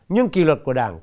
nhưng kỳ luật của đảng